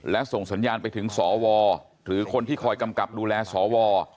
และส่งสัญญาณไปถึงสวหรือคนที่คอยกำกับดูแลสว